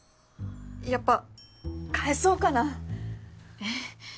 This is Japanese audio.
やっぱ返そうかな。え。